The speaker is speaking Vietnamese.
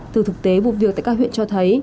từ thực tế vụ việc tại các huyện cho thấy